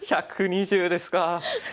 １２０ですか。